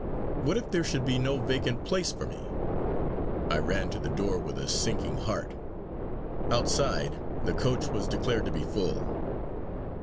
What if there should be no vacant place for me! I ran to the door with a sinking heart. Outside, the coach was declared to be full.